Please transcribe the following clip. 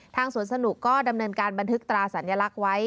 สวนสนุกก็ดำเนินการบันทึกตราสัญลักษณ์ไว้